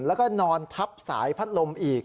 แล้วก็นอนทับสายพัดลมอีก